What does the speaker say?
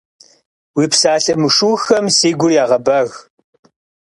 Уи псалъэ мышыухэм си гур ягъэбэг.